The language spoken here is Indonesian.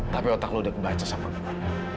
tapi otak lo udah kebaca sama gue